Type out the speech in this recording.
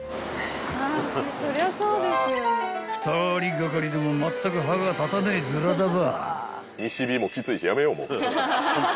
［２人がかりでもまったく歯が立たねえずらだばぁ］